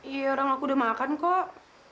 iya orang aku udah makan kok